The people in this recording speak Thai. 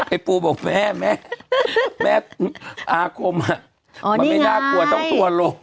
ปูบอกแม่แม่อาคมมันไม่น่ากลัวต้องทัวร์ลง